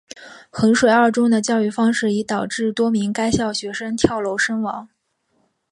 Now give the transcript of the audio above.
衡水二中的教育方式已导致多名该校学生跳楼身亡。